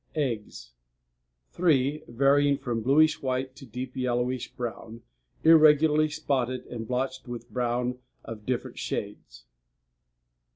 EGGS Three, varying from bluish white to deep yellowish brown, irregularly spotted and blotched with brown of different shades.